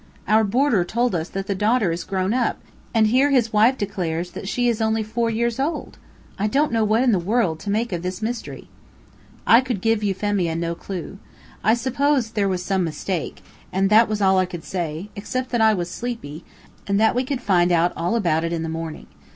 Our boarder told us that the daughter is grown up, and here his wife declares that she is only four years old! I don't know what in the world to make of this mystery!" I could give Euphemia no clue. I supposed there was some mistake, and that was all I could say, except that I was sleepy, and that we could find out all about it in the morning.